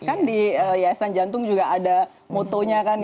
kan di yasan jantung juga ada motonya kan ya